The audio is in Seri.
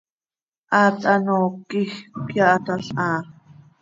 Haat hanoohcö quij cöyahatalhaa.